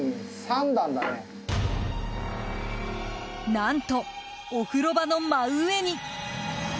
何と、お風呂場の真上に。